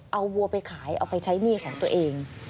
เอาวัวไปขายเอาไปใช้หนี้ของตัวเอง